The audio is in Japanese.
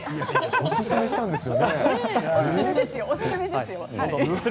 おすすめですよ。